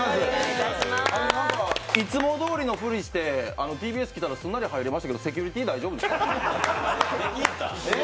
いつもどおりのフリしてＴＢＳ来たらすんなり入れましたけど、セキュリティー大丈夫ですか？